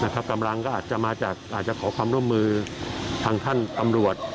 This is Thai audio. กำลังก็อาจจะมาจากอาจจะขอความร่วมมือทางท่านตำรวจ